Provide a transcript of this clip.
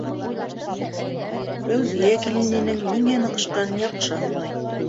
- Фәүзиә килененең ниңә ныҡышҡанын яҡшы аңлай.